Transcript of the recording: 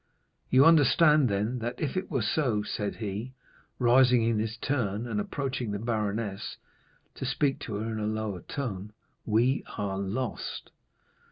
"You understand, then, that if it were so," said he, rising in his turn, and approaching the baroness, to speak to her in a lower tone, "we are lost.